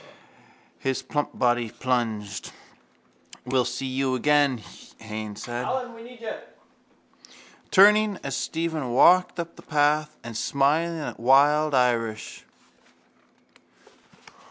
His plump body plunged. —We'll see you again, Haines said, turning as Stephen walked up the path and smiling at wild Irish.